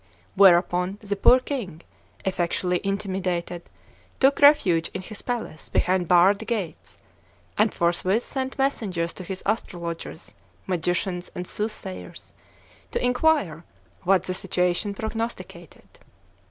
Whereupon, the poor king, effectually intimidated, took refuge in his palace behind barred gates; and forthwith sent messengers to his astrologers, magicians, and soothsayers, to inquire what the situation prognosticated.